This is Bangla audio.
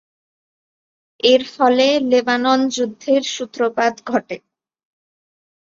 এরফলে লেবানন যুদ্ধের সূত্রপাত ঘটে।